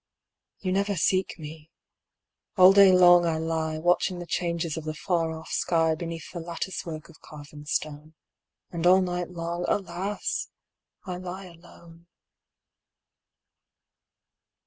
You never seek me. All day long I lie Watching the changes of the far off sky Behind the lattice work of carven stone. And all night long, alas! I lie alone.